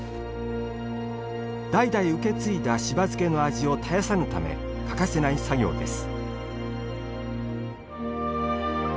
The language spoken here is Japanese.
代々受け継いだ、しば漬けの味を絶やさぬため欠かせない作業です。